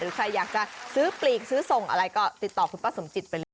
ใครอยากจะซื้อปลีกซื้อส่งอะไรก็ติดต่อคุณป้าสมจิตไปเลย